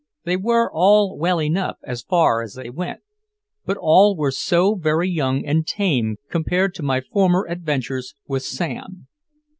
They were all well enough as far as they went, but all were so very young and tame compared to my former adventures with Sam.